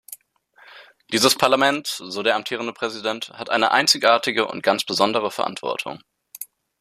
Dieses Parlament, so der amtierende Präsident, hat eine einzigartige und ganz besondere Verantwortung.